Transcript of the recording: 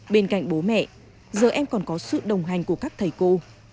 bên cạnh bố mẹ giờ em còn có sự đồng hành của các thầy cô